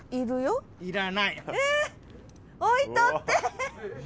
置いとって。